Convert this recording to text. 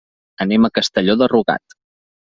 Anem a Castelló de Rugat.